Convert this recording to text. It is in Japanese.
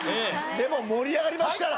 でも盛り上がりますから。